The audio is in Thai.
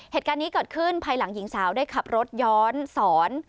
เหตุการณ์นี้เกิดขึ้นภายหลังหญิงสาวได้ขับรถย้อนสอน